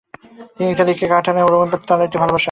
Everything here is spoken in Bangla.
তিনি ইতালিতে কাটান এবং রোমের প্রতি তাঁর একটা ভালোবাসা তৈরি হয়।